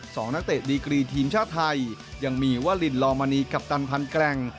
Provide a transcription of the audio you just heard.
นักเตะดีกรีทีมชาติไทยยังมีวาลินลอมณีกัปตันพันแกร่ง